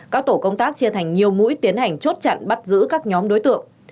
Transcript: các tổ công tác chia thành nhiều mũi tiến hành chốt chặn bắt giữ các nhóm đối tượng